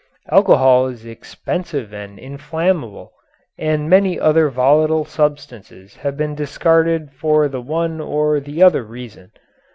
Alcohol is expensive and inflammable, and many other volatile substances have been discarded for the one or the other reason.